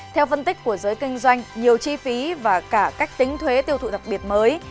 theo phân tích của giới kinh doanh nhiều chi phí và cả cách tính thuế tiêu thụ đặc biệt mới